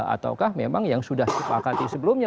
ataukah memang yang sudah disepakati sebelumnya